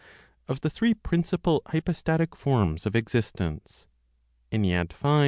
Of the Three Principal Hypostatic Forms of Existence, v.